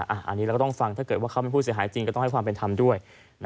อันนี้เราก็ต้องฟังถ้าเกิดว่าเขาเป็นผู้เสียหายจริงก็ต้องให้ความเป็นธรรมด้วย